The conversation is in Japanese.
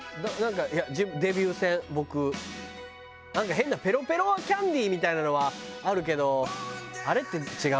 変なペロペロキャンディーみたいなのはあるけどあれって違うもんねちょっと。